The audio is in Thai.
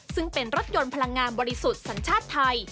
ซึ่งเป็นรถยนต์พลังงานบริสุทธิ์สัญชาติไทย